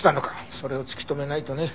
それを突き止めないとね。